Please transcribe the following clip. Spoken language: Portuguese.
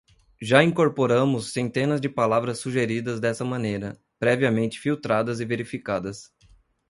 Já incorporamos centenas de palavras sugeridas dessa maneira, previamente filtradas e verificadas.